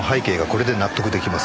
これで納得出来ます。